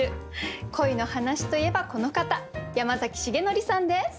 恋の話といえばこの方山崎樹範さんです。